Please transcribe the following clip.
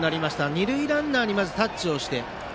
二塁ランナーにタッチをして。